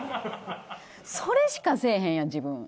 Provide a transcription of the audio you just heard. それしかせえへんやん自分。